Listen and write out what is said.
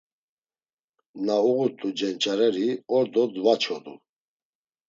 Na uğurt̆u cenç̌areri ordo dvaçodu.